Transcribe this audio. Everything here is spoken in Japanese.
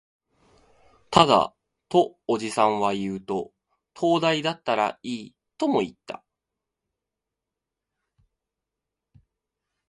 ただ、とおじさんは言うと、灯台だったらいい、とも言った